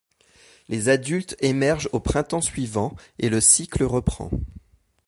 Les adultes émergent au printemps suivant et le cycle reprend.